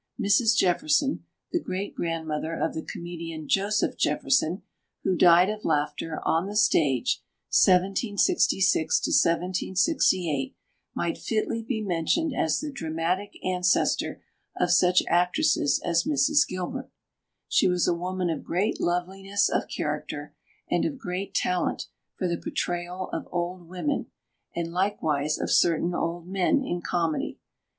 Mrs. Jefferson, the great grandmother of the comedian Joseph Jefferson, who died of laughter, on the stage (1766 68), might fitly be mentioned as the dramatic ancestor of such actresses as Mrs. Gilbert. She was a woman of great loveliness of character and of great talent for the portrayal of "old women," and likewise of certain "old men" in comedy.